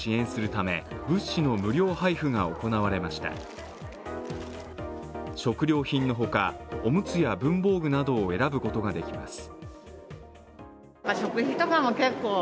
食料品の他、おむつや文房具などを選ぶことができます。